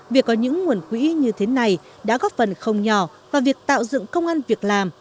việc có những nguồn quỹ như thế này đã góp phần không nhỏ vào việc tạo dựng công an việc làm